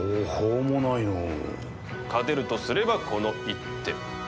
勝てるとすればこの一手。